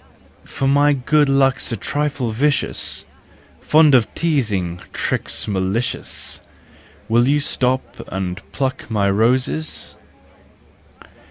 For my good luck's a trifle vicious, Fond of teasing, tricks malicious— Will you stop and pluck my roses